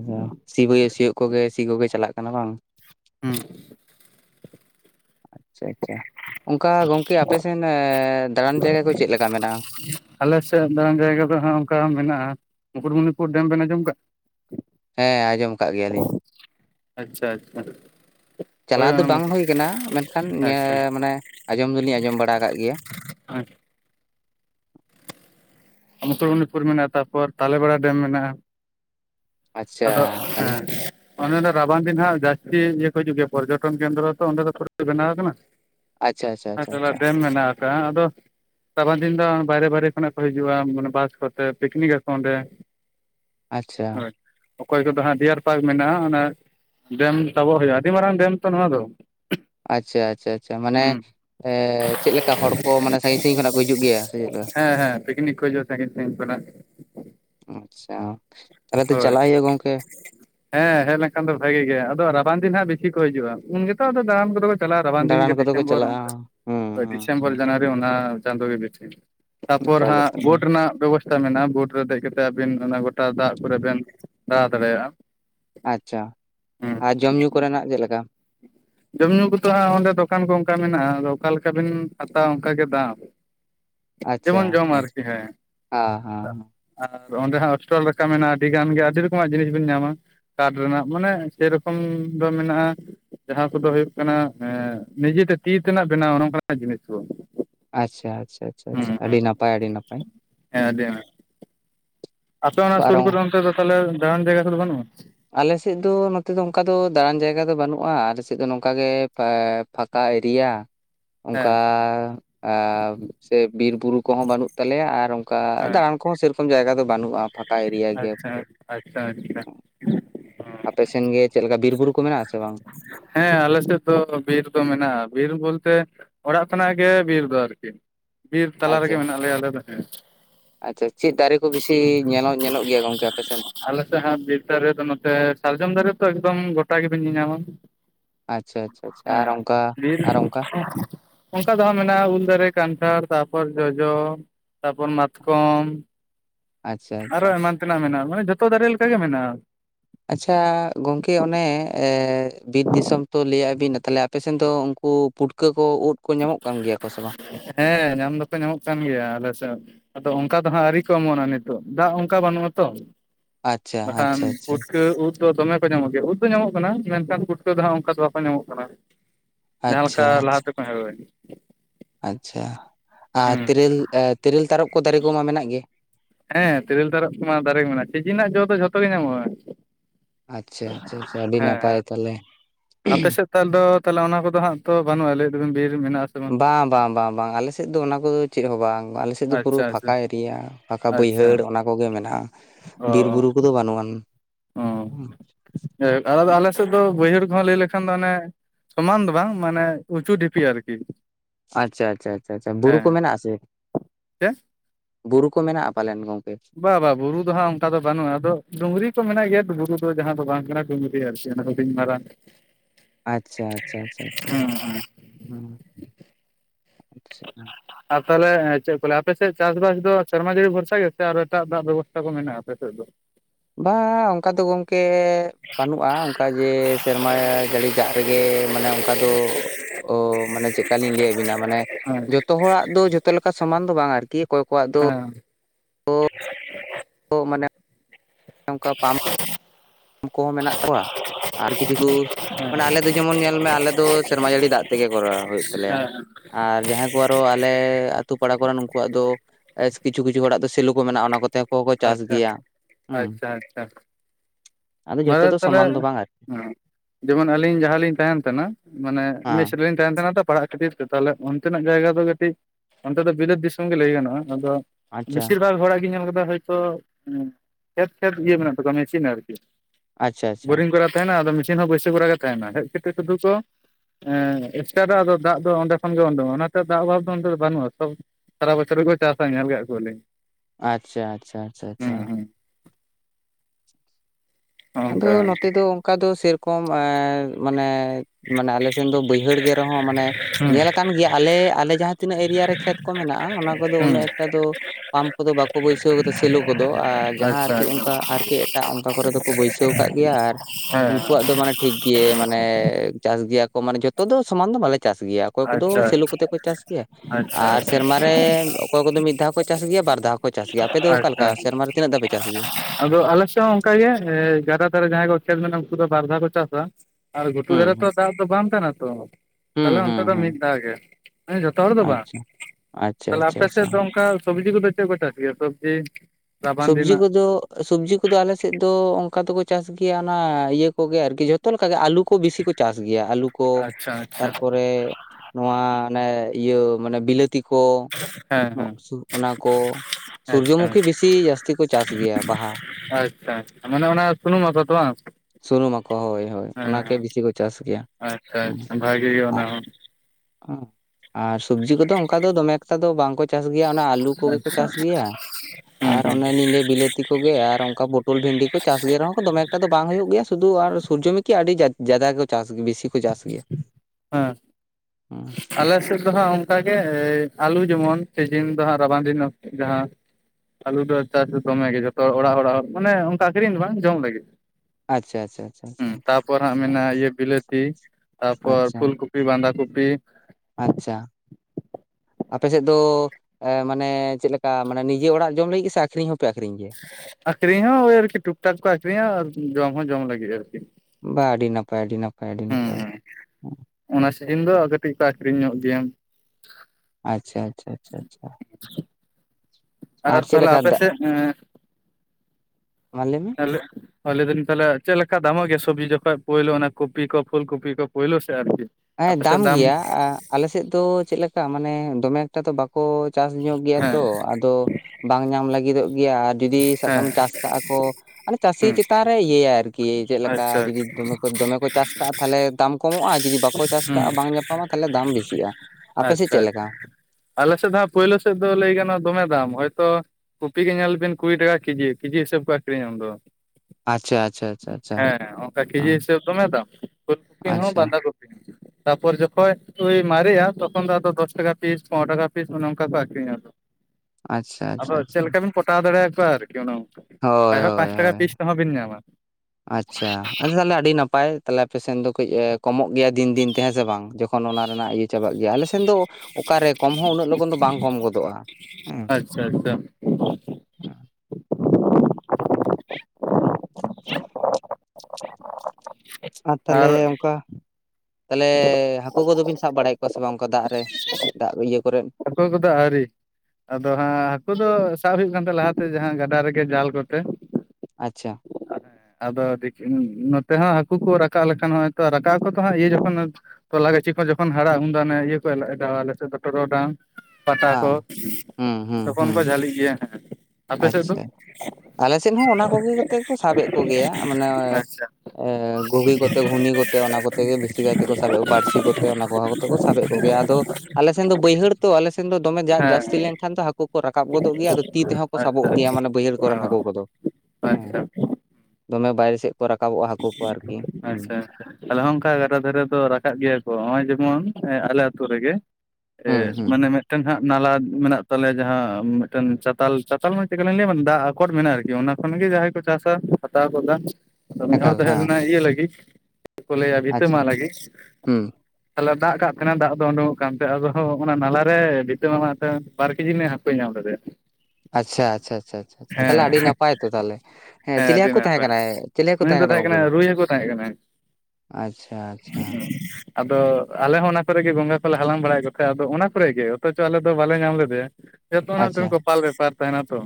ᱥᱤ ᱵᱟᱹᱭᱟᱹ ᱥᱤᱭᱳᱜ ᱠᱚᱜᱮ ᱥᱤ ᱠᱚᱜᱮ ᱪᱟᱞᱟᱜ ᱠᱟᱱᱟ ᱵᱟᱝ? ᱦᱩᱸ ᱟᱪᱪᱷᱟ ᱟᱪᱪᱷᱟ, ᱚᱱᱠᱟ ᱜᱚᱝᱠᱮ ᱟᱯᱮ ᱥᱮᱱ ᱫᱟᱬᱟᱱ ᱡᱟᱭᱜᱟ ᱠᱚ ᱪᱮᱫ ᱞᱮᱠᱟ ᱢᱮᱱᱟᱜᱼᱟ? ᱟᱞᱮ ᱥᱮᱫ ᱫᱟᱬᱟᱱ ᱡᱟᱭᱜᱟ ᱫᱚ ᱦᱟᱸᱜ ᱚᱝᱠᱟ ᱢᱮᱱᱟᱜᱼᱟ ᱢᱩᱠᱩᱴᱢᱩᱱᱤᱯᱩᱨ ᱰᱮᱢ ᱵᱤᱱ ᱟᱸᱡᱚᱢ ᱠᱟᱜᱼᱼ ᱦᱮᱸ ᱟᱡᱚᱢ ᱠᱟᱜ ᱜᱮᱭᱟ ᱞᱤᱧ᱾ ᱟᱪᱪᱷᱟ ᱟᱪᱪᱷᱟ᱾ ᱦᱳᱭ ᱪᱟᱞᱟᱣ ᱫᱚ ᱚᱱᱟ ᱵᱟᱝ ᱢᱩᱠᱩᱴ ᱦᱳᱭ ᱠᱟᱱᱟ ᱢᱮᱱᱠᱷᱟᱱ ᱧᱮ ᱟᱪᱪᱷᱟ ᱮ ᱢᱟᱱᱮᱼᱼ ᱟᱡᱚᱢ ᱫᱚᱞᱤᱧ ᱟᱸᱡᱚᱢ ᱵᱟᱲᱟ ᱠᱟᱜ ᱜᱮᱭᱟ᱾ [unintelligible] ᱢᱩᱠᱩᱴᱢᱩᱱᱤᱯᱩᱨ ᱢᱮᱱᱟᱜᱼᱟ ᱛᱟᱯᱚᱨ ᱛᱟᱞᱮᱵᱮᱲᱟ ᱰᱮᱢ ᱢᱮᱱᱟᱜᱼᱟ᱾ ᱟᱪᱪᱷᱟ ᱟᱫᱚ ᱛᱟᱦᱚᱞᱮ ᱦᱮᱸ᱾ ᱚᱰᱮ ᱫᱚ ᱨᱟᱵᱟᱝ ᱫᱤᱱ ᱦᱟᱸᱜ ᱡᱟᱹᱥᱛᱤ ᱤᱭᱟᱹ ᱠᱚ ᱦᱤᱡᱩᱜ ᱜᱮᱭᱟ ᱯᱚᱨᱡᱚᱴᱚᱱ ᱠᱮᱱᱫᱨᱚ ᱛᱚ ᱚᱸᱰᱮ ᱫᱚ ᱯᱚᱨᱡᱚᱴᱚᱱ ᱵᱮᱱᱟᱣ ᱟᱠᱟᱱᱟ᱾ ᱟᱪᱪᱷᱟ ᱟᱪᱪᱷᱟ ᱟᱨ ᱟᱪᱪᱷᱟ ᱛᱟᱞᱟ ᱟᱪᱪᱷᱟ ᱰᱮᱢ ᱢᱮᱱᱟᱜ ᱟᱠᱟᱜᱼᱟ, ᱟᱫᱚᱼᱼ ᱨᱟᱵᱟᱝ ᱫᱤᱱ ᱫᱚ ᱵᱟᱭᱨᱮ ᱵᱟᱭᱨᱮ ᱠᱷᱚᱱᱟᱜ ᱠᱚ ᱦᱤᱡᱩᱜᱼᱟ ᱢᱟᱱᱮ ᱵᱟᱥ ᱠᱚᱛᱮ ᱯᱤᱠᱱᱤᱠ ᱟᱠᱚ ᱚᱸᱰᱮ᱾ ᱟᱪᱪᱷᱟ᱾ ᱦᱳᱭ ᱚᱠᱚᱭ ᱠᱚᱫᱚ ᱦᱟᱸᱜ ᱰᱤᱭᱟᱨ ᱯᱟᱨᱠ ᱢᱮᱱᱟᱜᱼᱟ, ᱚᱱᱮᱼᱼ ᱰᱮᱢ ᱛᱟᱵᱚᱜ ᱦᱳᱭᱳᱜᱼᱟ, ᱟᱹᱰᱤ ᱢᱟᱨᱟᱝ ᱰᱮᱢ ᱛᱚ ᱱᱚᱣᱟ ᱫᱚ᱾ ᱟᱪᱪᱷᱟ ᱟᱪᱪᱷᱟ ᱟᱪᱪᱷᱟ ᱢᱟᱱᱮᱼᱼ ᱦᱩᱸ ᱮ ᱪᱮᱫ ᱞᱮᱠᱟ ᱦᱚᱲ ᱠᱚ, ᱢᱟᱱᱮ ᱥᱟᱺᱜᱤᱧ ᱥᱟᱺᱜᱤᱧ ᱠᱷᱚᱱᱟᱜ ᱠᱚ ᱦᱤᱡᱩᱜ ᱜᱮᱭᱟ ᱥᱮ ᱪᱮᱫ ᱞᱮᱠᱟ? ᱦᱮᱸ ᱦᱮᱸ ᱯᱤᱠᱱᱤᱠ᱾ ᱠᱚ ᱦᱤᱡᱩᱜᱼᱟ ᱥᱟᱺᱜᱤᱧ ᱥᱟᱺᱜᱤᱧ ᱠᱷᱚᱱᱟᱜ᱾ ᱟᱪᱪᱷᱟ ᱛᱟᱦᱞᱮ ᱛᱚ ᱦᱳᱭ ᱪᱟᱞᱟᱜ ᱦᱳᱭᱳᱜᱼᱟ, ᱜᱚᱝᱠᱮ᱾ ᱦᱮᱸ ᱦᱮᱜ ᱞᱮᱱᱠᱷᱟᱱ ᱫᱚ ᱵᱷᱟᱹᱜᱤ ᱜᱮ ᱟᱫᱚ ᱨᱟᱵᱟᱝ ᱫᱤᱱ ᱦᱟᱸᱜ ᱵᱤᱥᱤ ᱠᱚ ᱦᱤᱡᱩᱜᱼᱟ, ᱩᱱ ᱜᱮᱛᱚ ᱟᱫᱚ ᱫᱟᱬᱟᱱ ᱠᱚᱫᱚ ᱠᱚᱼᱼ ᱪᱟᱞᱟᱜᱼᱟ ᱨᱟᱵᱟᱝ ᱫᱤᱱ ᱫᱟᱬᱟᱱ ᱜᱮ ᱠᱚᱫᱚ ᱠᱚ ᱰᱤᱥᱮᱢᱵᱚᱨ ᱪᱟᱞᱟᱜᱼᱟ ᱚᱝᱠᱟ ᱦᱩᱸ ᱦᱳᱭ ᱦᱩᱸ ᱰᱤᱥᱮᱢᱵᱚᱨ ᱦᱩᱸ ᱡᱟᱱᱣᱟᱼᱼ ᱚᱱᱟ ᱪᱟᱸᱫᱳ ᱜᱮ ᱵᱤᱥᱤ ᱛᱟᱯᱚᱨ ᱮᱠᱟᱞ ᱦᱟᱸᱜ ᱮᱠᱟᱞ ᱵᱳᱴ ᱨᱮᱱᱟᱜ ᱵᱮᱵᱚᱥ ᱥᱛᱟ ᱢᱮᱱᱟᱜ-ᱟ, ᱵᱳᱴ ᱨᱮ ᱫᱮᱡ ᱠᱟᱛᱮ ᱟᱵᱤᱱ ᱚᱱᱟ ᱜᱚᱴᱟ ᱫᱟᱜ ᱠᱚᱨᱮ ᱵᱮᱱ ᱫᱟᱬᱟ ᱫᱟᱲᱮᱭᱟᱜ-ᱟ᱾ ᱟᱪᱪᱷᱟ ᱟᱨ ᱡᱚᱢ ᱧᱩ ᱠᱚ ᱨᱮᱱᱟᱜ ᱪᱮᱫᱞᱮᱠᱟ? ᱡᱚᱢ-ᱧᱩ ᱠᱚᱫᱚ ᱦᱟᱸᱜ ᱚᱸᱰᱮ ᱫᱚᱠᱟᱱ ᱠᱚ ᱚᱱᱠᱟ ᱢᱮᱱᱟᱜ-ᱟ ᱟᱫᱚ ᱚᱠᱟ ᱞᱮᱠᱟ ᱵᱤᱱ ᱦᱟᱛᱟᱣᱟ ᱚᱱᱠᱟ ᱜᱮ ᱫᱟᱢ᱾ ᱟᱪᱪᱷᱟ ᱡᱮᱢᱚᱱ ᱡᱚᱢ ᱟᱪᱪᱷᱟ ᱟᱨᱠᱤ ᱦᱮᱸ᱾ ᱦᱟᱸ ᱦᱟᱸ ᱦᱟᱸ, ᱟᱨ ᱚᱸᱰᱮ ᱦᱟᱸᱜ ᱦᱚᱥᱴᱚᱞ ᱞᱮᱠᱟ ᱢᱮᱱᱟᱜ-ᱟ, ᱟᱹᱰᱤ ᱜᱟᱱ ᱜᱮ ᱟᱹᱰᱤ ᱨᱚᱠᱚᱢ ᱡᱤᱱᱤᱥ ᱵᱤᱱ ᱧᱟᱢᱟ᱾ ᱠᱟᱴ ᱨᱮᱱᱟᱜ ᱢᱟᱱᱮ ᱥᱮᱨᱚᱠᱚᱢ ᱫᱚ ᱢᱮᱱᱟᱜ-ᱟ᱾ ᱡᱟᱦᱟᱸ ᱠᱚᱫᱚ ᱦᱩᱭᱩᱜ ᱠᱟᱱᱟ ᱱᱤᱡᱮᱛᱮ ᱛᱤ ᱛᱮᱱᱟᱜ ᱵᱮᱱᱟᱣᱟᱜ ᱱᱚᱝᱠᱟ ᱱᱟᱜ ᱡᱤᱱᱤᱥ ᱠᱚ᱾ ᱟᱪᱪᱷᱟ ᱟᱪᱪᱷᱟ ᱟᱪᱪᱷᱟ ᱦᱩᱸ ᱟᱪᱪᱷᱟ ᱟᱹᱰᱤ ᱱᱟᱯᱟᱭ ᱟᱹᱰᱤ ᱱᱟᱯᱟᱭ ᱦᱮᱸ ᱦᱩᱸ᱾ ᱟᱹᱰᱤ ᱟᱭᱢᱟ᱾ ᱟᱯᱮ ᱚᱱᱟ ᱛᱚ ᱥᱩᱨ ᱟᱨᱚ ᱠᱚᱨᱮ ᱚᱱᱛᱮ ᱫᱚ ᱛᱟᱦᱚᱞᱮ ᱫᱟᱬᱟᱱ ᱡᱟᱭᱜᱟ ᱠᱚ ᱫᱚ ᱵᱟᱹᱱᱩᱜ-ᱟ? ᱟᱞᱮ ᱥᱮᱫ ᱫᱚ ᱱᱚᱛᱮ ᱫᱚ ᱚᱱᱠᱟ ᱫᱚ ᱫᱟᱬᱟᱱ ᱡᱟᱭᱜᱟ ᱫᱚ ᱵᱟᱹᱱᱩᱜ-ᱟ, ᱟᱞᱮ ᱥᱮᱫ ᱫᱚ ᱱᱚᱝᱠᱟ ᱜᱮ ᱯᱷᱟᱠᱟ ᱮᱨᱤᱭᱟ ᱦᱮᱸ ᱚᱱᱠᱟ ᱟᱨ ᱥᱮ ᱵᱤᱨ ᱵᱩᱨᱩ ᱠᱚ ᱦᱚᱸ ᱵᱟᱹᱱᱩᱜ ᱛᱟᱞᱮᱭᱟ ᱟᱨ ᱚᱱᱠᱟ ᱦᱮᱸ ᱫᱟᱬᱟᱱ ᱠᱚ ᱦᱚᱸ ᱥᱮᱨᱚᱠᱚᱢ ᱡᱟᱭᱜᱟ ᱫᱚ ᱵᱟᱹᱱᱩᱜ-ᱟ ᱟᱪᱪᱷᱟ ᱟᱪᱪᱷᱟ ᱟᱪᱪᱷᱟ᱾ ᱟᱯᱮ ᱥᱮᱱ ᱜᱮ ᱪᱮᱫ ᱞᱮᱠᱟ ᱵᱤᱨᱵᱩᱨᱩ ᱠᱚ ᱢᱮᱱᱟᱜᱼᱟ ᱥᱮ ᱵᱟᱝ? ᱦᱮᱸ ᱟᱞᱮ ᱥᱮᱫ ᱫᱚ ᱵᱤᱨ ᱫᱚ ᱢᱮᱱᱟᱜ-ᱟ, ᱵᱤᱨ ᱵᱚᱞᱛᱮ ᱚᱲᱟᱜ ᱠᱷᱚᱱᱟᱜ ᱜᱮ ᱵᱤᱨ ᱫᱚ ᱟᱨᱠᱤ᱾ ᱵᱤᱨ ᱛᱟᱞᱟ ᱟᱪᱪᱷᱟ ᱨᱮᱜᱮ ᱢᱮᱱᱟᱜ ᱞᱮᱭᱟ ᱟᱞᱮ ᱫᱚ ᱦᱮᱸ ᱟᱪᱪᱷᱟ ᱪᱮᱫ ᱫᱟᱨᱮ ᱠᱚ ᱵᱤᱥᱤ ᱧᱮᱞᱚᱜ ᱧᱮᱞᱚᱜ ᱜᱮᱭᱟ ᱜᱚᱝᱠᱮ ᱟᱯᱮ ᱥᱮᱱ? ᱟᱞᱮ ᱥᱮᱫ ᱦᱟᱸᱜ ᱵᱤᱨ ᱫᱟᱨᱮ ᱫᱚ ᱱᱚᱛᱮ ᱥᱟᱨᱡᱚᱢ ᱫᱟᱨᱮ ᱛᱚ ᱮᱠᱫᱚᱢ ᱜᱚᱴᱟ ᱜᱮᱵᱮᱱ ᱧᱮᱧᱟᱢᱟ᱾ ᱟᱪᱪᱷᱟ ᱟᱪᱪᱷᱟ ᱟᱪᱪᱷᱟ ᱦᱮᱸ ᱟᱨ ᱚᱱᱠᱟ ᱵᱤᱨ ᱟᱨ ᱦᱚᱸ᱾ ᱚᱱᱠᱟ ᱚᱱᱠᱟ ᱫᱚ ᱦᱟᱜ ᱢᱮᱱᱟᱜ-ᱟ, ᱩᱞ ᱫᱟᱨᱮ ᱠᱟᱱᱴᱷᱟᱲ ᱛᱟᱯᱚᱨ ᱡᱚᱡᱚ ᱛᱟᱯᱚᱨ ᱢᱟᱛᱠᱚᱢ᱾ ᱟᱪᱪᱷᱟ ᱟᱪᱪᱷᱟ ᱟᱨᱮ ᱮᱢᱟᱱ ᱛᱮᱱᱟᱜ ᱢᱮᱱᱟᱜ-ᱟ, ᱢᱟᱱᱮ ᱡᱚᱛᱚ ᱫᱟᱨᱮ ᱞᱮᱠᱟ ᱜᱮ ᱢᱮᱱᱟᱜ-ᱟ᱾ ᱟᱪᱪᱷᱟ ᱜᱚᱝᱠᱮ ᱚᱱᱮ ᱮᱸᱻ ᱵᱤᱨ ᱫᱤᱥᱚᱢ ᱛᱚ ᱞᱟᱹᱭᱟᱜᱼᱟ ᱵᱤᱱ ᱛᱟᱦᱚᱞᱮ ᱟᱯᱮᱥᱮᱱ ᱫᱚ ᱩᱱᱠᱩ ᱯᱩᱴ ᱠᱟᱹ ᱠᱚ ᱩᱫ ᱠᱚ ᱧᱟᱢᱚᱜ ᱠᱟᱱ ᱜᱮᱭᱟ ᱠᱚ ᱥᱮ ᱵᱟᱝ? ᱦᱮᱸ ᱧᱟᱢ ᱫᱚᱠᱚ ᱧᱟᱢᱚᱜ ᱠᱟᱱ ᱜᱮᱭᱟ ᱟᱞᱮ ᱥᱮᱫ ᱟᱫᱚ ᱚᱱᱠᱟ ᱫᱚ ᱦᱟᱸᱜ ᱟᱹᱣᱨᱤ ᱠᱚ ᱚᱢᱚᱱᱟᱼᱜ ᱱᱤᱛᱚᱜ ᱫᱟᱜ ᱚᱱᱠᱟ ᱵᱟᱹᱱᱩᱜ-ᱟ ᱛᱚ ᱟᱪᱪᱷᱟ ᱵᱟᱠᱷᱟᱱ ᱟᱪᱪᱷᱟ ᱟᱪᱪᱷᱟ ᱯᱩᱴᱠᱟᱹ ᱩᱫ ᱩᱫ ᱫᱚ ᱫᱚᱢᱮ ᱠᱚ ᱧᱟᱢᱚᱜ ᱜᱮᱭᱟ ᱩᱫ ᱫᱚ ᱧᱟᱢᱚᱜ ᱠᱟᱱᱟ, ᱢᱮᱱᱠᱷᱟᱱ ᱯᱩᱴᱠᱟᱹ ᱫᱚ ᱦᱟᱸᱜ ᱚᱱᱠᱟ ᱫᱚ ᱵᱟᱠᱚ ᱧᱟᱢᱚᱜ ᱠᱟᱱᱟ᱾ ᱡᱟᱦᱟᱸ ᱞᱮᱠᱟ ᱟᱪᱪᱷᱟ ᱟᱪᱪᱷᱟ ᱞᱟᱦᱟᱛᱮ [unintelligible] ᱦᱚᱭ ᱟᱪᱪᱷᱟ ᱟᱨ ᱦᱩᱸ ᱛᱤᱨᱤᱞ ᱮᱸᱻ ᱛᱤᱨᱤᱞ-ᱛᱟᱨᱚᱯ ᱠᱚ ᱫᱟᱨᱮ ᱠᱚᱢᱟ ᱢᱮᱱᱟᱜ ᱜᱮ᱾ ᱦᱮᱸ ᱛᱮᱨᱮᱞ ᱛᱟᱨᱩᱵ ᱠᱚᱢᱟ ᱫᱟᱨᱮ ᱢᱮᱱᱟᱜ-ᱟ, ᱥᱤᱡᱤ ᱨᱮᱱᱟᱜ ᱡᱚ ᱫᱚ ᱡᱚᱛᱚ ᱜᱮ ᱧᱟᱢᱚᱜ-ᱟ᱾ ᱟᱪᱪᱷᱟ - ᱟᱪᱪᱷᱟ ᱪᱷᱟ ᱼ ᱪᱷᱟ ᱟᱹᱰᱤ ᱱᱟᱯᱟᱭ ᱦᱮᱸ ᱛᱟᱦᱚᱞᱮ ᱟᱯᱮ ᱥᱮᱫ ᱛᱟᱦᱚᱞᱮ ᱫᱚ ᱛᱟᱦᱚᱞᱮ ᱚᱱᱟ ᱠᱚᱫᱚ ᱦᱟᱸᱜ ᱛᱚ, ᱵᱟᱹᱱᱩᱜ-ᱟ ᱞᱟᱹᱭᱮᱫ ᱫᱚᱵᱤᱱ ᱵᱤᱨ ᱢᱮᱱᱟᱜᱼᱟ᱾ ᱵᱟᱝ ᱼ ᱵᱟᱝ ᱼ ᱵᱟᱝ ᱼ ᱵᱟᱝ ᱟᱞᱮᱥᱮᱫ ᱫᱚ ᱚᱱᱟ ᱠᱚᱫᱚ ᱪᱮᱫ ᱦᱚᱸ ᱵᱟᱝ ᱟᱞᱮᱥᱮᱫ ᱫᱚ ᱯᱩᱨᱟᱹ ᱟᱪᱪᱷᱟ ᱟᱪᱪᱷᱟ ᱯᱷᱟᱸᱠᱟ ᱮᱨᱤᱭᱟ ᱯᱷᱟᱠᱟ ᱟᱪᱪᱷᱟ ᱵᱟᱹᱭᱦᱟᱹᱲ ᱚᱱᱟ ᱠᱚᱜᱮ ᱢᱮᱱᱟᱜ-ᱟ, ᱚ ᱵᱤᱨ - ᱚ ᱵᱩᱨᱩ ᱠᱚᱫᱚ ᱵᱟᱹᱱᱩᱜ ᱟᱱ [unintelligible] ᱟᱫᱚ ᱟᱞᱮ ᱥᱮᱫ ᱫᱚ ᱵᱟᱹᱭᱦᱟᱹᱲ ᱠᱚ ᱦᱚᱸᱜ ᱞᱟᱹᱭ ᱞᱮᱠᱷᱟᱱ ᱫᱚ ᱚᱱᱮ ᱥᱚᱢᱟᱱ ᱫᱚ ᱵᱟᱝ ᱢᱟᱱᱮ ᱩᱪᱩ ᱰᱷᱤᱯᱤ ᱟᱨᱠᱤ ᱟᱪᱪᱷᱟ ᱼ ᱟᱪᱪᱷᱟ ᱼ ᱪᱷᱟ ᱪᱷᱟ ᱵᱩᱨᱩ ᱠᱚ ᱦᱮᱸ ᱢᱮᱱᱟᱜ ᱟᱥᱮ ᱪᱮᱫ ᱵᱩᱨᱩ ᱠᱚ ᱢᱮᱱᱟᱜ-ᱟ ᱯᱟᱞᱮᱱ ᱜᱚᱝᱠᱮ? ᱵᱟ ᱵᱟ ᱵᱩᱨᱩ ᱫᱚ ᱦᱟᱸᱜ ᱚᱱᱠᱟ ᱫᱚ ᱵᱟᱹᱱᱩᱜᱼ-ᱟ᱾ ᱟᱫᱚ ᱰᱩᱝᱨᱤ ᱠᱚ ᱢᱮᱱᱟᱜ ᱜᱤᱭᱟ᱾ ᱵᱩᱨᱩ ᱫᱚ ᱡᱟᱦᱟᱸ ᱫᱚ ᱵᱟᱝ ᱠᱟᱱᱟ ᱢᱩᱧ, [unintelligible] ᱟᱪᱪᱷᱟ ᱼ ᱟᱪᱪᱷᱟ ᱪᱷᱟ ᱪᱷᱟ ᱦᱩᱸ ᱟᱪᱪᱷᱟᱦᱟᱜ ᱟᱨ ᱛᱟᱦᱚᱞᱮ ᱪᱮᱫ ᱠᱚ ᱞᱟᱹᱭᱟ, ᱟᱯᱮ ᱥᱮᱫ ᱪᱟᱥᱵᱟᱥ ᱫᱚ ᱥᱮᱨᱢᱟ ᱡᱟᱹᱲᱤ ᱵᱷᱚᱨᱥᱟ ᱜᱮ ᱥᱮ ᱟᱨᱚ ᱮᱴᱟᱜ ᱫᱟᱜ ᱵᱮᱵᱚᱥᱛᱷᱟ ᱠᱚ ᱢᱮᱱᱟᱜ-ᱟ, ᱟᱯᱮ ᱥᱮᱫ ᱫᱚ᱾ ᱵᱟᱝ ᱚᱱᱠᱟ ᱫᱚ ᱜᱚᱝᱠᱮ ᱵᱟᱹᱱᱩᱜ-ᱟ ᱚᱱᱠᱟ ᱡᱮ ᱥᱮᱨᱢᱟ ᱡᱟᱹᱲᱤ ᱫᱟᱜ ᱨᱮᱜᱮ ᱢᱟᱱᱮ ᱚᱱᱠᱟ ᱫᱚ ᱚ ᱢᱟᱱᱮ ᱪᱮᱠᱟ ᱞᱤᱧ ᱞᱟᱹᱭ ᱟᱵᱤᱱᱟ ᱢᱟᱱᱮ ᱦᱮᱸ ᱡᱚᱛ ᱡᱚᱛᱚ ᱦᱚᱲᱟᱜ ᱫᱚ ᱡᱷᱚᱛᱚ ᱞᱮᱠᱟ ᱥᱚᱢᱟᱱ ᱫᱚ ᱵᱟᱝ ᱟᱨᱠᱤ ᱚᱠᱚᱭ ᱠᱚᱣᱟᱜ ᱫᱚ ᱦᱮᱸ [unintelligible] ᱢᱟᱱᱮ ᱚᱱᱠᱟ ᱯᱟᱢ ᱠᱚᱦᱚᱸ ᱢᱮᱱᱟᱜ ᱛᱟᱞᱟᱝ ᱟᱨ ᱠᱤᱪᱷᱩ ᱼ ᱠᱤᱪᱪᱷᱩ ᱢᱟᱱᱮ ᱟᱞᱮ ᱫᱚ ᱡᱮᱢᱚᱱ ᱧᱮᱞ ᱢᱮ ᱟᱞᱮ ᱫᱚ ᱥᱮᱨᱢᱟ ᱡᱟᱹᱲᱤ ᱫᱟᱜ ᱛᱮᱜᱮ ᱠᱚᱨᱟᱣ ᱦᱩᱭᱩᱜ ᱛᱟᱞᱮᱭᱟ ᱦᱮᱸ ᱟᱨ ᱡᱟᱦᱟᱸᱭ ᱠᱚ ᱟᱨᱚ ᱟᱞᱮ ᱟᱹᱛᱩ ᱯᱟᱲᱟ ᱠᱚᱨᱮᱱ ᱩᱱᱠᱩᱣᱟᱜ ᱫᱚᱼᱟ [unintelligible] ᱠᱤᱪᱷᱩ - ᱠᱤᱪᱷᱩ ᱦᱚᱲᱟᱜ ᱫᱚ ᱥᱮᱞᱳ ᱠᱚ ᱢᱮᱱᱟᱜᱼᱟ, ᱚᱱᱟ ᱠᱚᱛᱮ ᱠᱚᱠᱚ ᱪᱟᱥ ᱟᱪᱪᱷᱟ ᱜᱮᱭᱟ ᱦᱩᱸ ᱟᱪᱪᱷᱟ ᱟᱪᱪᱷᱟ ᱟᱫᱚ ᱡᱚᱛᱚ ᱢᱟᱱᱮ ᱫᱚ ᱛᱟᱦᱚᱞᱮ ᱥᱚᱢᱟᱱ ᱫᱚ ᱵᱟᱝ ᱟᱨᱠᱤ ᱦᱮᱸ ᱡᱮᱢᱚᱱ ᱟᱹᱞᱤᱧ ᱡᱟᱦᱟᱸ ᱞᱤᱤᱧ ᱛᱟᱦᱮᱱ ᱛᱟᱦᱮᱱᱟ, ᱢᱟᱱᱮ ᱦᱮᱸ ᱢᱮᱥ ᱨᱮᱞᱤᱧ ᱛᱟᱦᱮᱱ ᱛᱟᱦᱮᱱᱟ ᱛᱚ ᱯᱟᱲᱦᱟᱜ ᱠᱷᱟᱹᱛᱤᱨ ᱛᱮ ᱛᱟᱦᱚᱞᱮ ᱚᱱᱛᱮᱱᱟᱼᱜ ᱡᱟᱭᱜᱟ ᱫᱚ ᱠᱟᱹᱴᱤᱡ ᱚᱱᱛᱮ ᱫᱚ ᱵᱤᱞᱟᱛ ᱫᱤᱥᱚᱢ ᱜᱮ ᱞᱟᱹᱭ ᱜᱟᱱᱚᱜᱼᱟ, ᱟᱫᱚ ᱟᱪᱪᱷᱟ ᱵᱮᱥᱤᱨ ᱵᱷᱟᱜᱽ ᱦᱚᱲᱟᱜ ᱜᱤᱧ ᱧᱮᱞ ᱠᱟᱫᱟ, ᱦᱳᱭᱛᱳ ᱠᱷᱮᱛ - ᱠᱷᱮᱛ ᱤᱭᱟᱹ ᱢᱮᱱᱟᱜ ᱛᱟᱠᱚᱣᱟ ᱢᱮᱥᱤᱱ ᱟᱨᱠᱤ ᱟᱪᱪᱷᱟ ᱟᱪᱪᱷᱟ ᱵᱳᱨᱤᱝ ᱠᱚᱨᱟᱣ ᱛᱟᱦᱮᱱᱟ ᱟᱫᱚ ᱢᱮᱥᱤᱱ ᱦᱚᱸ ᱵᱟᱹᱭᱥᱟᱹᱣ ᱠᱚᱨᱟᱜ ᱜᱮ ᱛᱟᱦᱮᱱᱟ, ᱦᱮᱡ ᱠᱟᱛᱮ ᱥᱩᱫᱷᱩ ᱠᱚ ᱮᱸ ᱮᱥᱠᱟᱨ ᱟᱫᱚ ᱫᱟᱜ ᱫᱚ ᱚᱸᱰᱮ ᱠᱷᱚᱱᱜ ᱜᱮ ᱚᱰᱳᱚᱜᱼᱟ, ᱚᱱᱟᱛᱮ ᱫᱟᱜ ᱚᱵᱷᱟᱵᱽ ᱫᱚ ᱚᱰᱮ ᱫᱚ ᱵᱟᱹᱱᱩᱜᱼᱟ᱾ ᱥᱚᱵ ᱥᱟᱨᱟ ᱵᱚᱪᱷᱚᱨ ᱜᱮᱠᱚ ᱪᱟᱥᱼᱟ ᱧᱮᱞ ᱠᱟᱫ ᱠᱚᱣᱟᱞᱤᱧ ᱟᱪᱪᱷᱟ - ᱟᱪᱪᱷᱟ - ᱪᱷᱟ - ᱪᱷᱟ ᱦᱩᱸ ᱦᱩᱸ ᱟᱫᱚ ᱚᱱᱠᱟ ᱱᱚᱛᱮ ᱫᱚ ᱚᱱᱠᱟ ᱫᱚ ᱥᱮᱨᱚᱠᱚᱢ ᱮᱸᱻ ᱢᱟᱱᱮ ᱢᱟᱱᱮ ᱟᱞᱮᱮᱥᱱ ᱫᱚ ᱵᱟᱹᱭᱦᱟᱹᱲ ᱜᱮ ᱨᱮᱦᱚᱸ ᱢᱟᱱᱮ ᱦᱩᱸ ᱧᱮᱞ ᱟᱠᱟᱱ ᱜᱮᱭᱟ ᱟᱞᱮ ᱟᱞᱮ ᱡᱟᱦᱟᱸ ᱛᱤᱱᱟᱹᱜ ᱮᱨᱤᱭᱟ ᱨᱮ ᱠᱷᱮᱛ ᱠᱚ ᱢᱮᱱᱟᱜᱼᱟ, ᱚᱱᱟ ᱠᱚᱫᱚ ᱦᱩᱸ ᱩᱱᱟᱹᱜ ᱮᱠᱴᱟ ᱫᱚ ᱯᱟᱢ ᱠᱚᱫᱚ ᱵᱟᱠᱚ ᱵᱟᱹᱭᱥᱟᱹᱣ ᱥᱮᱞᱩ ᱠᱚᱫᱚ ᱟᱨ ᱡᱟᱦᱟᱸ ᱟᱪᱪᱷᱟ ᱟᱨᱠᱤ ᱟᱪᱪᱷᱟ ᱚᱱᱠᱟ ᱟᱨᱠᱤ ᱮᱴᱟᱜ ᱚᱱᱠᱟ ᱠᱚᱨᱮ ᱫᱚ ᱠᱚ ᱵᱟᱹᱭᱥᱟᱹᱣ ᱠᱟᱫ ᱜᱮᱭᱟ ᱟᱨ ᱦᱮᱸ ᱩᱱᱠᱩᱣᱟᱼᱜ ᱫᱚ ᱢᱟᱱᱮ ᱴᱷᱤᱠ ᱜᱮ ᱢᱟᱱᱮ ᱪᱟᱥ ᱜᱮᱭᱟ ᱠᱚ ᱢᱟᱱᱮ ᱡᱚᱛᱚ ᱫᱚ ᱥᱚᱢᱟᱱ ᱫᱚ ᱵᱟᱞᱮ ᱪᱟᱥ ᱜᱮᱭᱟ ᱚᱠᱚᱭ ᱠᱚᱫᱚ ᱟᱪᱪᱷᱟ ᱥᱮᱞᱳ ᱠᱚᱛᱮ ᱠᱚ ᱪᱟᱥ ᱜᱮᱭᱟ, ᱟᱪᱪᱷᱟ ᱟᱨ ᱥᱮᱨᱢᱟ ᱨᱮ-ᱢ ᱚᱠᱚᱭ ᱠᱚᱫᱚ ᱢᱤᱫ ᱫᱷᱟᱣ ᱠᱚ ᱪᱟᱥ ᱜᱮᱭᱟ ᱵᱟᱨ ᱫᱷᱟᱣ ᱠᱚ ᱠᱚ ᱪᱟᱥ ᱜᱮᱭᱟ ᱟᱯᱮ ᱫᱚ ᱚᱠᱟ ᱟᱪᱪᱷᱟ ᱞᱮᱠᱟ ᱥᱮᱨᱢᱟ ᱨᱮ ᱛᱤᱱᱟᱹᱜ ᱫᱷᱟᱯᱮ ᱪᱟᱥ ᱜᱮᱭᱟ? [unintelligible] ᱜᱟᱫᱟ ᱫᱟᱨᱮ ᱡᱟᱦᱟᱸᱭ ᱠᱚ ᱠᱷᱮᱛ ᱢᱟᱱᱟᱜᱼᱟ ᱩᱱᱠᱩ ᱫᱚ ᱵᱟᱨᱫᱷᱟ ᱠᱚ ᱪᱟᱥᱼᱟ᱾ ᱟᱨ ᱜᱷᱩᱴᱩ ᱦᱩᱸ ᱫᱷᱟᱨᱮ ᱦᱩᱸ ᱛᱚ ᱫᱟᱜ ᱫᱚ ᱵᱟᱝ ᱛᱟᱦᱮ ᱛᱚ, ᱛᱟᱦᱞᱮ ᱦᱩᱸ ᱚᱱᱛᱮ ᱦᱩᱸ ᱫᱚ ᱦᱩᱸ ᱢᱤᱫ ᱫᱷᱟᱣ ᱜᱮ ᱦᱮᱸ ᱡᱚᱛᱚ ᱦᱚᱲ ᱫᱚ ᱵᱟᱝ᱾ ᱟᱪᱪᱷᱟ ᱟᱪᱪᱷᱟ ᱛᱟᱞᱮ ᱟᱪᱪᱷᱟ ᱟᱯᱮ ᱥᱮᱫ ᱟᱪᱪᱷᱟ ᱫᱚ ᱚᱱᱠᱟ ᱥᱚᱵᱽᱡᱤ ᱠᱚᱫᱚ ᱪᱮᱫ ᱠᱚ ᱪᱟᱥᱟ ᱤᱭᱟ ᱥᱚᱵᱡᱤ ᱥᱚᱵᱡᱤ ᱠᱚᱫᱚ ᱥᱚᱵᱡᱤ ᱠᱚᱫᱚ ᱟᱞᱮᱮᱥᱮᱫ ᱫᱚ-ᱚ ᱚᱱᱠᱟ ᱫᱚᱠᱚ ᱪᱟᱥ ᱜᱮᱭᱟ ᱚᱱᱟ ᱤᱭᱟᱹ ᱠᱚᱜᱮ ᱟᱨᱠᱤ ᱡᱚᱛᱚ ᱞᱮᱠᱟ ᱜᱮ ᱟᱞᱩ ᱠᱚ ᱵᱤᱥᱤ ᱠᱚ ᱪᱟᱥ ᱜᱮᱭᱟ ᱟᱞᱩ ᱠᱚ ᱟᱪᱪᱷᱟ ᱟᱪᱪᱷᱟ ᱛᱟᱨᱯᱚᱨᱮ ᱱᱚᱣᱟ ᱦᱟᱱᱮ ᱤᱭᱟᱹ ᱢᱟᱱᱮ ᱵᱤᱞᱟᱹᱛᱤ ᱠᱚ ᱦᱮᱸ ᱱᱚᱸᱜ ᱦᱮᱸ ᱥᱩ ᱚᱱᱟ ᱠᱚ ᱟᱪᱪᱷᱟ ᱥᱩᱨᱡᱚᱢᱩᱠᱷᱤ ᱵᱮ ᱥᱤ ᱡᱟᱹᱟᱥᱛᱤ ᱠᱚ ᱪᱟᱥ ᱜᱮᱭᱟ ᱵᱟᱦᱟ ᱟᱪᱪᱷᱟ ᱟᱪᱪᱷᱟ ᱢᱟᱱᱮ ᱚᱱᱟ ᱥᱩᱱᱩᱢ ᱦᱟᱥᱟ ᱛᱚ ᱵᱟᱝ ᱥᱩᱱᱩᱢ ᱟᱠᱠᱚ ᱦᱳᱭ ᱦᱳᱭ ᱦᱮᱸ ᱚᱱᱟᱜᱮ ᱦᱮᱸ ᱵᱮᱥᱤ ᱠᱚ ᱪᱟᱥ ᱜᱮᱭᱟ ᱟᱪᱪᱷᱟ [unintelligible] ᱟᱪᱪᱷᱟ ᱵᱷᱟᱜᱮ ᱜᱮ ᱟ [inaudible] ᱩ ᱟᱨ ᱥᱚᱵᱡᱤ ᱠᱚᱫᱚ ᱚᱱᱠᱟ ᱫᱚ ᱫᱚᱢᱮ ᱮᱠᱛᱷᱟ ᱫᱚ ᱵᱟᱝᱠᱚ ᱪᱟᱥ ᱜᱮᱭᱟ ᱚᱱᱟ ᱟᱹᱞᱩ ᱠᱚᱜᱮ ᱠᱚ ᱟᱪᱪᱷᱟ ᱪᱟᱥ ᱜᱮᱭᱟ ᱦᱩᱸ ᱟᱨ ᱦᱩᱸ ᱚᱱᱮ ᱱᱤᱞᱮ ᱵᱤᱞᱟᱹ ᱛᱤ ᱠᱚᱜᱮ ᱟᱨ ᱚᱱᱠᱟ ᱯᱳᱴᱳᱚᱞ ᱵᱷᱤᱱᱰᱤ ᱠᱚ ᱪᱟᱥ ᱜᱮ ᱨᱮᱦᱚ-ᱠᱚ ᱫᱚᱢᱮ ᱮᱠᱴᱟ ᱫᱚ ᱵᱟᱝ ᱦᱩᱭᱩᱜ ᱜᱮᱭᱟ ᱥᱩᱫᱩ ᱟᱨ ᱥᱩᱨᱡᱚᱢᱠᱤ ᱟᱹᱰᱤ ᱡᱟᱡ ᱡᱟᱫᱟ ᱜᱚ ᱪᱟᱥ ᱜᱤ ᱵᱮᱥᱤ ᱠᱚ ᱪᱟᱥ ᱜᱮᱭᱟ ᱦᱮᱸ ᱦᱩᱸ ᱟᱞᱮ ᱥᱮᱫ ᱫᱚ ᱦᱟᱸᱜ ᱚᱱᱠᱟᱜᱮ ᱟᱞᱩ ᱡᱮᱢᱚᱱ ᱥᱮ ᱡᱤᱱ ᱦᱚᱜ ᱨᱟᱵᱟᱝ ᱫᱤᱱ ᱡᱟᱦᱟᱸ ᱟᱞᱩ ᱫᱚ ᱪᱟᱥ ᱫᱚ ᱫᱚᱢᱮ ᱜᱮ ᱡᱷᱚᱛᱚ ᱚᱲᱟᱜ ᱚᱲᱟᱜ ᱢᱟᱱᱮ ᱚᱱᱠᱟ ᱟᱠᱷᱨᱤᱤᱧ ᱫᱚ ᱵᱟᱝ ᱡᱚᱢ ᱞᱟᱹᱜᱤᱫ ᱟᱪᱪᱷᱟ ᱟᱪᱪᱷᱟ ᱟᱪᱪᱷᱟ ᱦᱩᱸ ᱟᱪᱪᱷᱟ ᱛᱟᱯᱚᱨ ᱦᱟᱸᱜ ᱢᱮᱱᱟᱜᱼᱟ ᱤᱭᱟᱹ ᱵᱤᱞᱟᱹᱛ ᱛᱤ ᱛᱟᱨᱯᱚᱨ ᱟᱪᱪᱷᱟ ᱯᱷᱩᱞ ᱠᱩᱯᱤ ᱵᱟᱸᱫᱷᱟ ᱠᱩᱯᱤ ᱟᱪᱪᱷᱟ ᱟᱯᱮᱥᱮᱫ ᱫᱚ ᱮ ᱢᱟᱱᱮ ᱪᱮᱫ ᱞᱮᱠᱟ ᱢᱟᱱᱮ ᱱᱤᱡᱮ ᱚᱲᱟᱜ ᱡᱚᱢ ᱞᱟᱹᱜᱤᱫ ᱥᱮ ᱟᱠᱷᱨᱤᱧ ᱦᱚᱸᱯᱮ ᱟᱠᱷᱨᱤᱧ ᱜᱮᱭᱟ ᱟᱠᱷᱨᱤᱧ ᱦᱚᱸ ᱳᱭ ᱟᱨᱠᱤ ᱴᱩᱠ ᱴᱟᱠ ᱠᱚ ᱟᱠᱷᱨᱤᱧᱟ ᱟᱨ ᱡᱚᱢ ᱦᱚᱸ ᱡᱚᱢ ᱞᱟᱹᱜᱤᱫ ᱟᱨᱠᱤ ᱵᱟ ᱟᱹᱰᱤ ᱱᱟᱯᱟᱭ ᱟᱹᱰᱤ ᱱᱟᱯᱟᱭ ᱟᱹᱰᱤ ᱦᱩᱸ ᱱᱟᱯᱟᱭ ᱦᱩᱸ ᱚᱱᱟ ᱥᱤᱡᱤᱱ ᱫᱚ ᱠᱟᱹᱴᱤᱡ ᱠᱚ ᱟᱠᱷᱨᱤᱧ ᱧᱚᱜ ᱜᱮᱭᱟ ᱟᱪᱪᱷᱟ ᱟᱪᱪᱷᱟ ᱟᱪᱪᱷᱟ ᱪᱷᱟ ᱟᱨ ᱪᱮᱫ ᱛᱟᱦᱚᱞᱮ ᱞᱮᱠᱟ ᱟᱯᱮ ᱫᱟᱜ ᱥᱮᱫ ᱮᱸ ᱢᱟ ᱞᱟᱹᱭ ᱢᱮ ᱟᱞᱮᱯ ᱟ ᱞᱟᱹᱭ ᱫᱟᱞᱤᱧ ᱛᱟᱦᱚᱞᱮ ᱪᱮᱫ ᱞᱮᱠᱟ ᱫᱟᱢᱚᱜ ᱜᱮᱭᱟ ᱥᱚᱵᱡᱤ ᱡᱚᱠᱷᱚᱡ ᱯᱳᱞᱳ ᱚᱱᱟ ᱠᱚᱯᱤ ᱠᱚ ᱯᱷᱩᱞ ᱠᱚᱯᱤ ᱠᱚ ᱯᱳᱭᱞᱳ ᱥᱮ ᱟᱨᱠᱤ ᱦᱮᱸ ᱟᱯᱮ ᱥᱮᱫ ᱫᱟᱢ ᱜᱤᱭᱟ-ᱟ ᱟᱞᱮ ᱥᱮᱫ ᱫᱚ ᱪᱮᱫ ᱞᱮᱠᱟ ᱢᱟᱱᱮ ᱫᱚᱢᱮ ᱛᱮ ᱫᱚ ᱵᱟᱠᱚ ᱪᱟᱥ ᱧᱚᱜ ᱜᱮᱭᱟ ᱦᱮᱸ ᱛᱚ ᱟᱫᱚ ᱵᱟᱝ ᱧᱟᱢ ᱞᱟᱹᱜᱤᱫᱚᱜ ᱜᱮᱭᱟ ᱡᱩᱫᱤ ᱥᱟᱵ ᱠᱟᱜ ᱦᱮᱸ ᱢᱮ ᱪᱟᱥ ᱠᱟᱜᱼᱟ ᱠᱚ ᱟᱱᱮ ᱪᱟᱹᱥᱤ ᱦᱩᱸ ᱪᱮᱛᱟᱱ ᱨᱮ ᱤᱭᱟᱹᱭᱟ ᱟᱨ ᱠᱤ ᱪᱮᱫ ᱞᱮᱠᱟ ᱟᱪᱪᱷᱟ ᱡᱩᱫᱤ ᱟᱪᱪᱷᱟ ᱫᱚᱢᱮ ᱠᱚ ᱫᱚᱢᱮ ᱠᱚ ᱪᱟᱥ ᱠᱟᱜᱼᱟ ᱛᱟᱦᱚᱞᱮ ᱫᱟᱢ ᱠᱚᱢᱚᱜᱼᱟ ᱡᱩᱫᱤ ᱵᱟᱝ ᱵᱟᱠᱚ ᱪᱟᱥ ᱦᱩᱸ ᱠᱟᱜᱼᱟ ᱵᱟᱝ ᱧᱟᱯᱟᱢᱟ ᱛᱟᱦᱞᱮ ᱫᱟᱢ ᱵᱮᱥᱤᱜᱼᱟ ᱟᱯᱮᱥᱮᱫ ᱟᱪᱪᱷᱟ ᱪᱮᱫ ᱟᱪᱪᱷᱟ ᱞᱮᱠᱟ? ᱟᱞᱮ ᱥᱮᱫ ᱫᱚ ᱦᱟᱸᱜ ᱯᱳᱭᱞᱳ ᱥᱮᱫ ᱫᱚ ᱞᱟᱹᱭ ᱜᱟᱱᱚᱜᱼᱟ ᱫᱚᱢᱮ ᱫᱟᱢ ᱦᱳᱭᱛᱚ ᱠᱳᱯᱤ ᱜᱮ ᱧᱮᱞ ᱵᱤᱱ ᱠᱩᱲᱤ ᱴᱟᱠᱟ ᱠᱤᱡᱤ ᱠᱤᱡᱤ ᱦᱤᱥᱟᱹᱵ ᱠᱚ ᱟᱹᱷᱨᱤᱧᱟ ᱩᱱ ᱫᱚ ᱟᱪᱪᱷᱟ ᱟᱪᱪᱷᱟ ᱟᱪᱪᱷᱟ ᱟᱪᱪᱷᱟ ᱦᱮᱸ ᱚᱱᱠᱟ ᱠᱮᱡᱤ ᱦᱤᱥᱟᱹᱵ ᱫᱚᱢᱮ ᱫᱟᱢ ᱯᱷᱩᱞᱠᱩᱯᱤ ᱦᱚᱸ ᱟᱪᱪᱷᱟ ᱵᱟᱸᱫᱷᱟ ᱠᱚᱯ [unintelligible] ᱛᱟᱯᱚᱨ ᱡᱚᱠᱷᱚᱡ ᱳᱭ ᱢᱟᱨᱮᱜᱼᱟ ᱛᱚᱠᱷᱚᱱ ᱫᱚ ᱟᱫᱚ ᱫᱚᱥ ᱴᱟᱠᱟ ᱯᱤᱥ ᱯᱚᱱᱨᱚ ᱴᱟᱠᱟ ᱯᱤᱥ ᱚᱱᱮ ᱚᱱᱠᱟ ᱠᱚ ᱟᱠᱷᱨᱤᱧᱟ ᱟᱪᱪᱷᱟ ᱟᱪᱪᱷᱟ ᱟᱫᱚ ᱪᱮᱫ ᱟᱪᱪᱷᱟ ᱞᱮᱠᱟ ᱵᱤᱱ ᱯᱚᱴᱟᱣ ᱫᱟᱲᱮᱭᱟ ᱠᱚᱣᱟ ᱟᱨᱠᱤ ᱚᱱᱮ ᱚᱝᱠᱟ ᱦᱳᱭ ᱡᱭᱦᱳᱠ ᱦᱳᱭ ᱯᱟᱸᱪ ᱴᱟᱠᱟ ᱦᱳᱭ ᱯᱤᱥ ᱛᱮᱦᱚᱸ ᱵᱤᱱ ᱧᱟᱢᱟ ᱟᱪᱪᱷᱟ ᱟᱫᱚ ᱛᱟᱦᱞᱮ ᱟᱹᱰᱤ ᱱᱟᱯᱟᱭ ᱛᱟᱦᱞᱮ ᱟᱯᱮ ᱥᱮᱱ ᱫᱚ ᱠᱟᱹᱡ ᱠᱚᱢᱚᱜ ᱜᱮᱭᱟ ᱫᱤᱱ ᱫᱤᱱ ᱛᱮ ᱦᱮᱸ ᱥᱮ ᱵᱟᱝ ᱡᱚᱠᱷᱚᱱ ᱚᱱᱟ ᱨᱮᱱᱟᱜ ᱤᱭᱟᱹ ᱪᱟᱵᱟᱜ ᱜᱮᱭᱟ ᱟᱞᱮ ᱥᱮ ᱴᱷᱮᱱ ᱫᱚ ᱚᱠᱟᱨᱮ ᱠᱚᱢ ᱦᱚᱸ ᱩᱱᱟᱹᱜ ᱞᱚᱜᱚᱱ ᱫᱚ ᱵᱟᱝ ᱠᱚᱢ ᱜᱚᱫᱚᱜᱼᱟ ᱟᱪᱪᱷᱟ ᱟᱪᱪᱷᱟ ᱩᱸᱻᱜ ᱟᱨ ᱛᱟᱦᱞᱮ ᱚᱱᱠᱟ ᱛᱟᱦᱞᱮ ᱦᱟᱹᱠᱩ ᱠᱚᱫᱚᱵᱤᱱ ᱥᱟᱵ ᱵᱟᱲᱟᱭᱮᱫ ᱠᱚᱣᱟ ᱥᱮ ᱵᱟᱝ ᱚᱱᱠᱟ ᱫᱟᱜ ᱨᱮ ᱫᱟᱜ ᱤᱭᱟᱹ ᱠᱚᱨᱮ ᱦᱟᱹᱠᱩ ᱠᱚᱫᱚ ᱟᱣᱨᱤ ᱟᱫᱚ ᱦᱟᱸᱜ ᱦᱟᱹᱠᱩ ᱫᱚ ᱥᱟᱵ ᱦᱩᱭᱩᱜ ᱠᱟᱱ ᱛᱟᱦᱮᱸ ᱞᱟᱦᱟᱛᱮ ᱡᱟᱦᱟᱸ ᱜᱟᱰᱟ ᱨᱮᱜᱮ ᱡᱟᱞ ᱠᱚᱛᱮ ᱟᱪᱪᱷᱟ ᱟᱫᱚ ᱫᱤᱠ ᱱᱚᱛᱮ ᱦᱚᱸ ᱦᱟᱠᱩ ᱠᱚ ᱨᱟᱠᱟᱵ ᱞᱮᱠᱷᱟᱱ ᱦᱚᱜᱼᱚᱭᱛᱚ ᱨᱟᱠᱟᱵ ᱟᱠᱚ ᱦᱟᱸᱜ ᱤᱭᱟᱹ ᱡᱚᱠᱷᱚᱱ ᱛᱚᱞᱟ ᱜᱟᱪᱷᱤ ᱠᱚᱦᱚᱸ ᱡᱚᱠᱷᱚᱱ ᱦᱟᱨᱟᱜ ᱩᱱ ᱫᱚ. ᱦᱟᱱᱮ ᱤᱭᱟᱹ ᱠᱚ ᱮᱰᱟᱣᱟ ᱟᱞᱮᱥᱮᱫ ᱫᱚ ᱴᱚᱨᱚᱰᱟᱝ ᱯᱟᱴᱟ ᱠᱚ, ᱦᱮᱸ ᱦᱩᱸ ᱦᱩᱸ ᱛᱚᱠᱷᱚᱱ ᱦᱩᱸ ᱠᱚ ᱡᱷᱟᱹᱞᱤᱜ ᱜᱮᱭᱟ ᱦᱮᱸ ᱟᱯᱮ ᱥᱮᱫ ᱫᱚ ᱟᱪᱪᱷᱟ ᱟᱞᱮ ᱥᱮᱱ ᱦᱚᱸ ᱚᱱᱟ ᱠᱚᱜᱮ ᱠᱟᱛᱮᱫ ᱜᱮ ᱠᱚ ᱥᱟᱵᱮᱫ ᱠᱚ ᱜᱮᱭᱟ ᱢᱟᱱᱮᱼᱼ ᱟᱪᱪᱷᱟ ᱮ ᱜᱷᱩᱜᱤ ᱠᱚᱛᱮ ᱜᱷᱩᱱᱤ ᱠᱚᱛᱮ ᱚᱱᱟ ᱠᱚᱛᱮ ᱜᱮ ᱵᱮᱥᱤ ᱠᱟᱭᱛᱮ ᱠᱚ ᱥᱟᱵᱮᱜ ᱠᱚᱣᱟ ᱵᱟᱹᱲᱥᱤ ᱠᱚᱛᱮ ᱚᱱᱟ ᱠᱚᱦᱚ ᱠᱚ ᱛᱮᱠᱚ ᱥᱟᱵᱮᱫ ᱠᱚ ᱜᱮᱭᱟ ᱟᱫᱚ ᱟᱞᱮ ᱥᱮᱱ ᱫᱚ ᱵᱟᱹᱭᱦᱟᱹᱲ ᱛᱚ ᱟᱞᱮ ᱫᱚᱢᱮ ᱫᱟᱜ ᱡᱟᱹᱥᱛᱤ ᱦᱮᱸ ᱞᱮᱱᱠᱷᱟᱱ ᱫᱚ ᱦᱟᱹᱠᱩ ᱠᱚ ᱨᱟᱠᱟᱵ ᱜᱚᱫᱚᱜ ᱜᱮᱭᱟ ᱟᱫᱚ ᱛᱤ ᱛᱮᱦᱚᱸ ᱠᱚ ᱥᱟᱵᱚᱜ ᱟᱪᱪᱷᱟ ᱜᱮᱭᱟ ᱢᱟᱱᱮ ᱵᱟᱹᱭᱦᱟᱹᱲ ᱠᱚ ᱟᱪᱪᱷᱟ ᱨᱮᱱ ᱦᱟᱹᱠᱩ ᱠᱚᱫᱚ᱾ ᱚ ᱚᱸ ᱟᱪᱪᱷᱟ ᱫᱚᱢᱮ ᱵᱟᱭᱨᱮ ᱥᱮᱫ ᱠᱚ ᱨᱟᱠᱟᱵᱚᱜᱼᱟ ᱦᱟᱹᱠᱩ ᱠᱚ ᱟᱨᱠᱤ᱾ ᱟᱪᱪᱷᱟ ᱟᱞᱮ ᱦᱚᱸ ᱚᱱᱠᱟ ᱜᱟᱰᱟ ᱫᱷᱟᱨᱮ ᱫᱚ ᱨᱟᱠᱟᱵ ᱜᱮᱭᱟ ᱠᱚ ᱦᱚᱜᱼᱚᱭ ᱡᱮᱢᱚᱱ ᱟᱞᱮ ᱟᱛᱳ ᱨᱮᱜᱮ᱾ ᱦᱩᱸ ᱮᱸᱜ ᱦᱩᱸ ᱢᱟᱱᱮ ᱢᱮᱱ ᱢᱤᱫᱴᱮᱱ ᱦᱟᱸᱜ ᱱᱟᱞᱟ ᱢᱮᱱᱟᱜ ᱛᱟᱞᱮᱭᱟ ᱡᱟᱦᱟᱸ ᱢᱤᱫᱴᱮᱱ ᱪᱟᱛᱟᱞ ᱪᱟᱛᱟᱞ ᱢᱟᱱᱮ ᱪᱮᱫ ᱠᱟᱞᱤᱧ ᱞᱟᱹᱭᱟ ᱢᱟᱱᱮ ᱫᱟᱜ ᱟᱠᱚᱴ ᱢᱮᱱᱟᱜᱼᱟ ᱟᱨᱠᱤ ᱚᱱᱟᱼᱼ ᱚᱱᱟ ᱠᱷᱚᱱ ᱜᱮ ᱡᱟᱦᱟᱸᱭ ᱠᱚ ᱪᱟᱥᱟ ᱦᱟᱛᱟᱣ ᱟᱠᱚ ᱫᱟᱜ᱾ ᱟᱫᱚ ᱢᱤᱫ ᱦᱚᱲ ᱫᱚ ᱮᱠᱟᱞ ᱦᱮᱡ ᱦᱮᱸ ᱞᱮᱱᱟ ᱤᱭᱟᱹ ᱞᱟᱹᱜᱤᱫ ᱪᱮᱫ ᱠᱚ ᱞᱟᱹᱭᱟ ᱵᱷᱤᱛᱟᱹ ᱟᱪᱪᱷᱟ ᱢᱟᱜ ᱞᱟᱹᱜᱤᱫ᱾ ᱦᱩᱸ ᱛᱟᱦᱞᱮ ᱫᱟᱜ ᱠᱟᱜ ᱛᱟᱦᱮᱱᱟᱭ ᱫᱟᱜ ᱫᱚ ᱩᱰᱩᱸᱝ-ᱚᱜ ᱠᱟᱱᱛᱮ ᱟᱫᱦᱚ ᱚᱱᱟ ᱱᱟᱞᱟ ᱨᱮ ᱵᱷᱤᱛᱟᱹ ᱢᱟᱜ ᱢᱟᱜ ᱛᱮ ᱵᱟᱨ ᱠᱮᱡᱤ ᱨᱤᱱᱤᱡ ᱦᱟ ᱠᱩᱭ ᱧᱟᱢ ᱞᱮᱫᱮᱭᱟ᱾ ᱟᱪᱪᱷᱟ ᱟᱪᱪᱷᱟ ᱟᱪᱪᱷᱟ ᱟᱪᱪᱷᱟ ᱛᱟᱦᱞᱮ ᱦᱮᱸ ᱟᱹᱰᱤ ᱱᱟᱯᱟᱭ ᱛᱚ ᱛᱟᱦᱚᱞᱮ ᱦᱮᱸ ᱪᱤᱞᱤ ᱟᱹᱰᱤ ᱦᱟᱹᱠᱩ ᱛᱟᱦᱮᱸ ᱱᱟᱯᱟᱭ ᱠᱟᱱᱟᱭ? ᱪᱤᱞᱤ ᱦᱟᱹᱠᱩ ᱩᱱᱤ ᱫᱚ ᱛᱟᱦᱮᱸ ᱜᱚᱝᱠᱮ ᱠᱟᱱᱟ ᱨᱩᱭ ᱦᱟᱹᱠᱩ ᱛᱟᱦᱮᱸᱜ ᱠᱟᱱᱟᱭ ᱟᱪᱪᱷᱟ ᱟᱪᱪᱷᱟ ᱾ ᱟᱫᱚ ᱟᱞᱮ ᱦᱚᱸ ᱚᱱᱟ ᱠᱚᱨᱮ ᱜᱮ ᱜᱚᱸᱜᱷᱟ ᱠᱚᱞᱮ ᱦᱟᱞᱟᱝ ᱵᱟᱲᱟᱭᱮᱫ ᱠᱚ ᱛᱟᱦᱮᱸᱫ ᱟᱫᱚ ᱚᱱᱟ ᱠᱚᱨᱮ ᱜᱮ ᱚᱛᱷᱚᱪᱚ ᱟᱞᱮ ᱫᱚ ᱵᱟᱞᱮ ᱧᱟᱢ ᱞᱮᱫᱮᱭᱟ᱾ ᱡᱮᱦᱮᱛᱩ ᱚᱱᱟ ᱟᱪᱪᱷᱟ ᱢᱤᱫᱴᱮᱱ ᱠᱚᱯᱟᱞ ᱵᱮᱯᱟᱨ ᱛᱟᱦᱮᱱᱟ ᱛᱚ᱾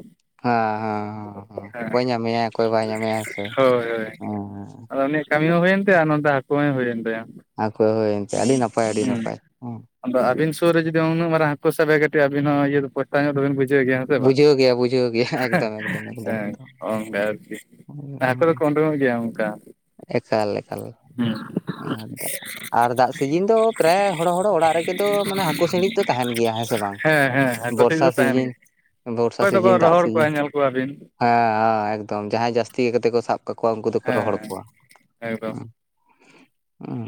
ᱦᱮᱸ ᱦᱮᱸ ᱦᱮᱸ ᱦᱩᱸ ᱦᱮᱸ ᱚᱠᱚᱭ ᱧᱟᱢᱮᱭᱟᱭ ᱚᱠᱚᱭ ᱵᱟᱭ ᱧᱟᱢᱮᱭᱟ ᱦᱮᱸ ᱥᱮ ᱦᱳᱭ ᱦᱳᱭ ᱦᱮᱸᱻ ᱟᱫᱚ ᱩᱱᱤᱭᱟᱜ ᱠᱟᱹᱢᱤ ᱦᱚᱸ ᱦᱩᱭᱮᱱ ᱛᱟᱭᱟ ᱟᱨ ᱱᱛᱮ ᱦᱟᱹᱠᱩ ᱦᱚᱸᱭ ᱦᱩᱭᱮᱱ ᱛᱟᱭᱟ᱾ ᱦᱟᱹᱠᱩ ᱦᱚᱭ ᱦᱳᱭᱮᱱ ᱛᱟᱭᱟ ᱟᱹᱰᱤ ᱱᱟᱯᱟᱭ ᱟᱹᱰᱤ ᱦᱩᱸ ᱱᱟᱯᱟᱭ ᱾ ᱟᱫᱚ ᱟᱹᱵᱤᱱ ᱥᱩᱨ ᱨᱮ ᱡᱩᱫᱤ ᱩᱱᱟᱹᱜ ᱢᱟᱨᱟᱝ ᱦᱟᱹᱠᱩ ᱥᱟᱵᱮᱭᱟ ᱠᱟᱹᱴᱤᱡ ᱟᱹᱵᱤᱱ ᱦᱚᱸ ᱤᱭᱟᱹ ᱯᱚᱥᱛᱟᱣ ᱧᱚᱜ ᱫᱚ ᱵᱤᱱ ᱵᱩᱡ ᱡᱷᱟᱹᱣ ᱜᱮᱭᱟ ᱦᱮᱸ ᱥᱮ ᱵᱟᱝ ᱵᱩᱡᱷᱟᱹᱣ ᱜᱮᱭᱟ ᱵᱩᱡᱷᱟᱹᱣ ᱜᱮᱭᱟ ᱮᱠᱫᱚᱢ ᱮᱠᱫᱚᱢ ᱮᱠᱫᱚᱢ ᱦᱮᱸ ᱦᱚᱝᱠᱟ ᱟᱨᱠᱤ᱾ ᱦᱟᱠᱳ ᱫᱚᱠᱚ ᱩᱳᱰᱚᱝ-ᱚᱜ ᱜᱮᱭᱟ ᱚᱱᱠᱟ᱾ ᱮᱠᱟᱞ ᱮᱠᱟᱞ ᱦᱩᱸ [unintelligible] ᱟᱨ ᱫᱟᱜ ᱥᱤᱡᱤᱱ ᱫᱚ ᱯᱨᱟᱭ ᱦᱚᱲᱚ ᱦᱚᱲᱚ ᱚᱲᱟᱜ ᱨᱮᱜᱮ ᱫᱚ ᱢᱟᱱᱮ ᱦᱟᱹᱠᱩ ᱥᱤᱬᱤᱡ ᱫᱚ ᱛᱟᱦᱮᱱ ᱜᱮᱭᱟ, ᱦᱮᱸ ᱥᱮ ᱵᱟᱝ? ᱦᱮᱸ ᱦᱮᱸ ᱦᱟᱠᱳ ᱥᱤᱬᱤᱡ ᱵᱚᱨᱥᱟ ᱫᱚ ᱛᱟᱦᱮᱱ ᱥᱤᱡᱤᱱ ᱜᱮᱭᱟ᱾ ᱵᱚᱨᱥᱟ ᱚᱠᱚᱭ ᱫᱚᱠᱚ ᱥᱤᱡᱤᱱ ᱫᱟᱜ ᱨᱚᱦᱚᱲ ᱥᱤᱡᱤᱱ, ᱠᱚᱣᱟ ᱧᱮᱞ ᱠᱚᱣᱟᱵᱤᱱ ᱦᱮᱸᱻ ᱮᱠᱫᱚᱢ ᱡᱟᱦᱟᱸᱭ ᱡᱟᱹᱥᱛᱤ ᱠᱟᱛᱮ ᱠᱚ ᱥᱟᱵ ᱠᱟᱫ ᱠᱚᱣᱟ ᱩᱱᱠᱩ ᱫᱚᱠᱚ ᱨᱚᱦᱚᱲ ᱦᱮᱸ ᱠᱚᱣᱟ ᱮᱠᱫᱚᱢ ᱦᱩᱸ᱾ ᱩᱸ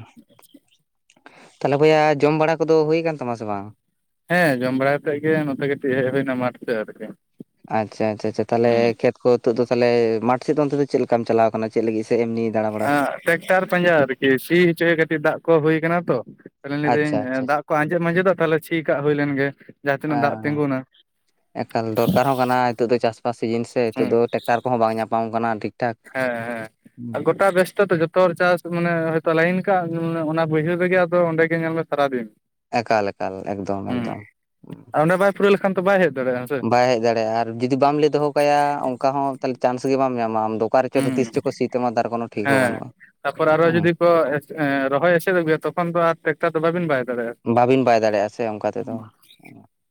ᱛᱟᱦᱞᱮ ᱵᱚᱭᱦᱟ ᱡᱚᱢ ᱵᱟᱲᱟ ᱠᱚ ᱫᱚ ᱦᱩᱭ ᱠᱟᱱ ᱛᱟᱢᱟ ᱥᱮ ᱵᱟᱝ? ᱦᱮᱸ ᱡᱚᱢ ᱵᱟᱲᱟ ᱠᱟᱛᱮᱫ ᱜᱮ ᱱᱚᱛᱮ ᱠᱟᱹᱴᱤᱡ ᱦᱮᱡ ᱦᱩᱭᱱᱟ ᱢᱟᱴᱷ ᱥᱮᱫ ᱟᱨᱠᱤ᱾ ᱟᱪᱪᱷᱟ ᱟᱪᱪᱷᱟ ᱪᱷᱟ ᱪᱷᱟ ᱛᱟᱦᱚᱞᱮ ᱦᱩᱸ ᱠᱷᱮᱛᱼᱼ ᱱᱤᱛᱚᱜ ᱫᱚ ᱛᱟᱦᱚᱞᱮ ᱢᱟᱴᱷ ᱥᱮᱫ ᱫᱚ ᱚᱱᱛᱮ ᱫᱚ ᱪᱮᱫ ᱞᱮᱠᱟᱢ ᱪᱟᱞᱟᱣ ᱠᱟᱱᱟ, ᱪᱮᱫ ᱞᱟᱹᱜᱤᱫ ᱥᱮᱫ ᱮᱢᱱᱤ ᱫᱟᱬᱟ ᱵᱟᱲᱟ? ᱴᱮᱠᱴᱟᱨ ᱯᱟᱸᱡᱟ ᱟᱨᱠᱤ ᱥᱤ ᱦᱚᱪᱚᱭ ᱠᱟᱹᱴᱤᱡ ᱫᱟᱜ ᱠᱚ ᱦᱩᱭ ᱠᱟᱱᱟ ᱛᱚ᱾ ᱛᱟᱦᱚᱞᱮ ᱞᱟᱹᱭ ᱫᱟᱹᱧ ᱟᱪᱪᱷᱟ ᱟᱪᱪᱷᱟ ᱟᱪᱪᱷᱟ ᱫᱟᱜ ᱠᱚ ᱟᱸᱡᱮᱫ ᱢᱟᱡᱮᱫᱚᱜ ᱛᱟᱦᱞᱮ ᱥᱤ ᱠᱟᱜ ᱦᱩᱭ ᱞᱮᱱ ᱜᱮ ᱡᱟᱦᱟᱸ ᱛᱤᱱᱟᱹᱜ ᱫᱟᱜ ᱛᱤᱸᱜᱩᱱᱟ᱾ ᱮᱠᱟᱞ ᱫᱚᱨᱠᱟᱨ ᱦᱚᱸ ᱠᱟᱱᱟ ᱱᱤᱛᱚᱜ ᱫᱚ ᱪᱟᱥ ᱵᱟᱥ ᱥᱤᱡᱤᱱ ᱥᱮ ᱱᱤᱛᱚᱜ ᱫᱚ ᱴᱮᱠᱴᱟᱨ ᱠᱚᱦᱚᱸ ᱵᱟᱝ ᱧᱟᱯᱟᱢ ᱠᱟᱱᱟ ᱴᱷᱤᱠ᱾ ᱴᱷᱟᱠ ᱦᱮᱸ ᱦᱮᱸ ᱦᱩᱸ ᱦᱮᱸ ᱜᱚᱴᱟ ᱵᱮᱥᱛᱚ ᱛᱚ ᱡᱚᱛᱚ ᱦᱚᱲ ᱪᱟᱥᱼᱼ ᱢᱟᱱᱮ ᱦᱚᱭᱛᱳ ᱞᱟᱭᱤᱱ ᱠᱟᱜ, ᱚᱱᱟ ᱵᱟᱹᱭᱦᱟᱹᱲ ᱨᱮᱜᱮ ᱟᱫᱚ ᱚᱸᱰᱮᱜ ᱜᱮ ᱧᱮᱞ ᱢᱮ ᱥᱟᱨᱟ ᱫᱤᱱ᱾ ᱮᱠᱟᱞ ᱮᱠᱟᱞ ᱮᱠᱫᱚᱢ ᱮᱠᱫᱚᱢ ᱾ ᱟᱨ ᱚᱸᱰᱮ ᱵᱟᱭ ᱯᱩᱨᱟᱹᱣ ᱞᱮᱠᱷᱟᱱ ᱛᱚ ᱵᱟᱭ ᱦᱮᱡ ᱫᱟᱲᱭᱟᱜ-ᱟ᱾ ᱵᱟᱭ ᱦᱮᱡ ᱫᱟᱲᱮᱭᱟᱜ-ᱟ, ᱟᱨ ᱡᱩᱫᱤ ᱵᱟᱢ ᱞᱟᱹᱭ ᱫᱚᱦᱚ ᱠᱟᱭᱟ ᱚᱱᱠᱟ ᱦᱚᱸ ᱛᱟᱦᱚᱞᱮ ᱪᱟᱱᱥ ᱜᱮ ᱵᱟᱢ ᱧᱟᱢᱟ ᱟᱢ ᱫᱚ᱾ ᱚᱠᱟ ᱨᱮᱪᱚ ᱟᱫᱚ ᱛᱤᱥ ᱪᱚ ᱦᱮᱸᱥᱮ ᱠᱚ ᱥᱤ ᱛᱟᱢᱟ ᱛᱟᱨ ᱠᱚᱱᱳ ᱴᱷᱤᱠ ᱦᱚᱸ ᱦᱮᱸ ᱵᱟᱹᱱᱩᱜ-ᱟ᱾ ᱛᱟᱯᱚᱨ ᱟᱨᱚ ᱩᱦᱩ ᱡᱩᱫᱤ ᱠᱚ ᱮ ᱨᱚᱦᱚᱭ ᱮᱥᱮᱫ ᱟᱜᱩᱭᱟ ᱛᱚᱠᱷᱚᱱ ᱫᱚ ᱟᱨ ᱴᱮᱠᱴᱟᱨ ᱫᱚ ᱵᱟᱹᱵᱤᱱ ᱵᱟᱭ ᱫᱟᱲᱮᱭᱟᱜ-ᱟ᱾ ᱵᱟᱵᱤᱱ ᱵᱟᱭ ᱫᱟᱲᱮᱭᱟᱜ-ᱟ ᱥᱮ ᱚᱱᱠᱟ ᱛᱮᱫᱚ ᱾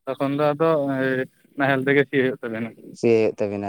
ᱛᱚᱠᱷᱚᱱ ᱫᱚ ᱟᱫᱚ ᱮᱭ ᱱᱟᱦᱮᱞ ᱛᱮᱜᱮ ᱥᱤ ᱦᱩᱭᱩᱜ ᱛᱟᱵᱮᱱᱟ᱾ ᱥᱮ ᱦᱩᱭᱩᱜ ᱛᱟᱵᱤᱱᱟ ᱟᱨᱼᱼ